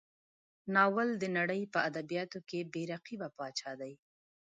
ناول د نړۍ په ادبیاتو کې بې رقیبه پاچا دی.